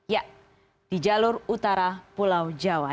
ya di jalur utara pulau jawa